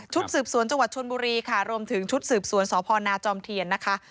สืบสวนจังหวัดชนบุรีค่ะรวมถึงชุดสืบสวนสพนาจอมเทียนนะคะ